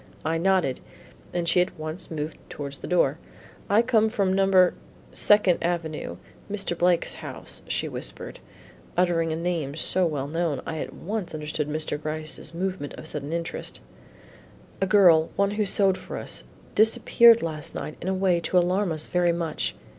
I nodded, and she at once moved towards the door. "I come from No. Second Avenue: Mr. Blake's house," she whispered, uttering a name so well known, I at once understood Mr. Gryce's movement of sudden interest "A girl one who sewed for us disappeared last night in a way to alarm us very much.